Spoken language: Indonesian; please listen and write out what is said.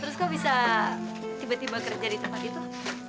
terus kok bisa tiba tiba kerja di tempat itu